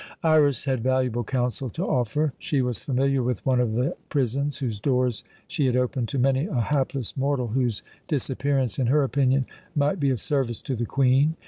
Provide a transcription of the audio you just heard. Iras had valuable counsel to offer. She was familiar with one of the prisons, whose doors she had opened to many a hapless mortal whose disappearance, in her opinion, might be of service to the Queen.